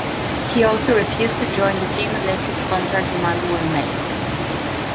He also refused to join the team unless his contract demands were met.